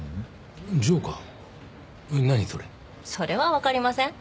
それはわかりません。